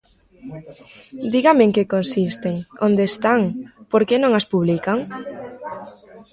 ¿Dígame en que consisten?, ¿onde están?, ¿por que non as publican?